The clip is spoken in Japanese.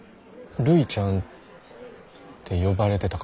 ルイちゃんって呼ばれてたから。